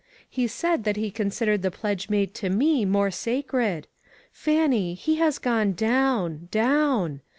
He said that he considered the pledge made to me more sacred. Fan nie, he has gone down! down!